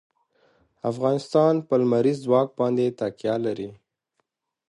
افغانستان په لمریز ځواک باندې تکیه لري.